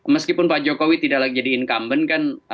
meskipun pak jokowi tidak lagi jadi incumbent kan